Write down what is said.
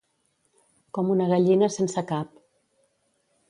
Com una gallina sense cap.